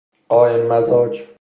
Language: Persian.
قائم مزاج